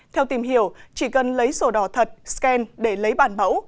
theo tìm hiểu chỉ cần lấy sổ đỏ thật scan để lấy bản mẫu